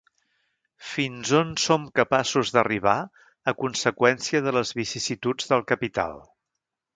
Fins on som capaços d’arribar a conseqüència de les vicissituds del capital?